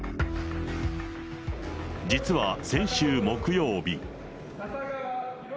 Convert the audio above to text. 実は先週木曜日。